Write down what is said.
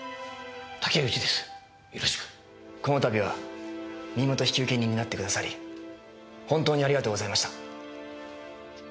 この度は身元引受人になってくださり本当にありがとうございました。